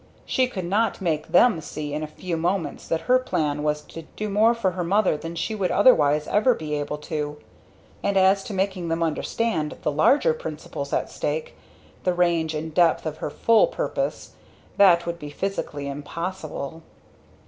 She could not make them see in a few moments that her plan was to do far more for her mother than she would otherwise ever be able to. And as to making them understand the larger principles at stake the range and depth of her full purpose that would be physically impossible.